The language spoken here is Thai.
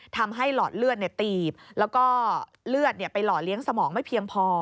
หลอดเลือดตีบแล้วก็เลือดไปหล่อเลี้ยงสมองไม่เพียงพอ